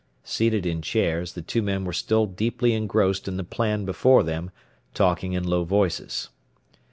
Seated in chairs, the two men were still deeply engrossed in the plan before them, talking in low voices.